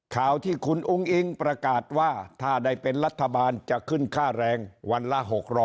ข่าวที่คุณอุ้งอิงประกาศว่าถ้าได้เป็นรัฐบาลจะขึ้นค่าแรงวันละ๖๐๐